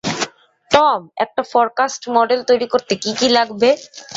Tom, একটা forecast model তৈরী করতে কী কী লাগবে?